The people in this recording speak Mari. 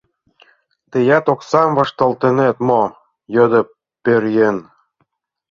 — Тыят оксам вашталтынет мо? — йодо пӧръеҥ.